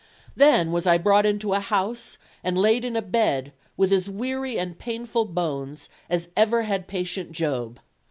Then was I brought into a house and laid in a bed with as weary and painful bones as ever had patient Job.